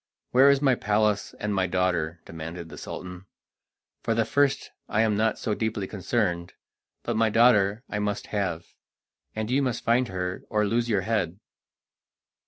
"Where is my palace and my daughter?" demanded the Sultan. "For the first I am not so deeply concerned, but my daughter I must have, and you must find her or lose your head."